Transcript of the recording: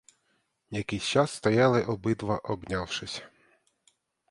Якийсь час стояли обидва, обнявшись.